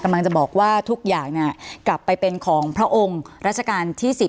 กำลังจะบอกว่าทุกอย่างเนี่ยกลับไปเป็นของพระองค์รัชกาลที่๑๐